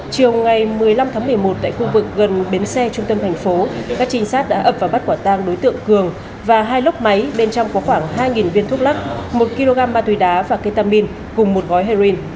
chiều ngày một mươi năm tháng một mươi một tại khu vực gần bến xe trung tâm thành phố các trinh sát đã ập và bắt quả tang đối tượng cường và hai lốc máy bên trong có khoảng hai viên thuốc lắc một kg ma túy đá và ketamin cùng một gói heroin